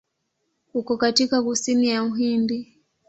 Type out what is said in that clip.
Uko katika kusini ya Uhindi.